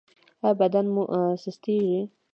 ایا بدن مو سستیږي؟